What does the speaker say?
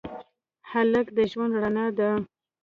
هلک د ژوند رڼا ده.